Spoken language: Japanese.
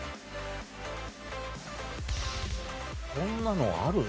こんなのある？